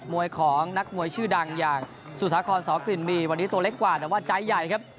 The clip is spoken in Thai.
วยของนักมวยชื่อดังอย่างสุสาครสอกลิ่นมีวันนี้ตัวเล็กกว่าแต่ว่าใจใหญ่ครับ